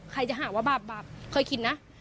ใครจะหาว่าบาปเคยคิดนะ